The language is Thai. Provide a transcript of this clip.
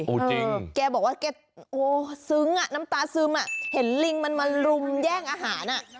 จริงแกบอกว่าแกโอ้ซึ้งอ่ะน้ำตาซึมอ่ะเห็นลิงมันมาลุมแย่งอาหารอ่ะ